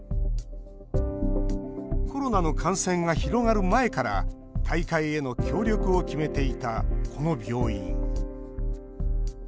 コロナの感染が広がる前から大会への協力を決めていたこの病院。